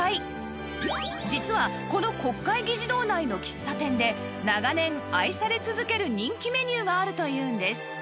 実はこの国会議事堂内の喫茶店で長年愛され続ける人気メニューがあるというんです